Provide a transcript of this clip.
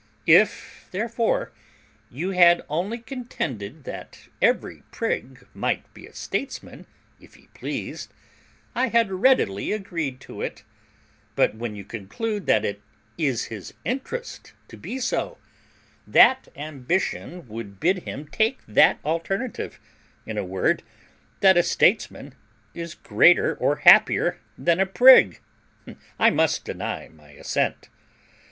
If, therefore, you had only contended that every prig might be a statesman if he pleased, I had readily agreed to it; but when you conclude that it is his interest to be so, that ambition would bid him take that alternative, in a word, that a statesman is greater or happier than a prig, I must deny my assent.